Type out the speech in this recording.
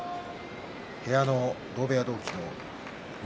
部屋の同部屋同期の翠